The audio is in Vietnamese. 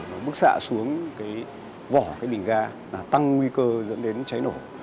nó bước xạ xuống cái vỏ cái bình ga là tăng nguy cơ dẫn đến cháy nổ